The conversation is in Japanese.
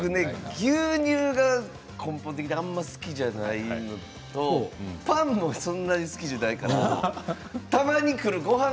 牛乳が根本的にあまり好きじゃないのとパンもそんなに好きじゃなくてたまにくるごはん